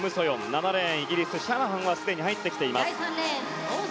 ７レーンイギリス、シャナハンはすでに入ってきています。